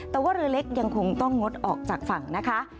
แต่ว่าเรือเล็กยังคงต้องงดออกจากฝั่งนะคะ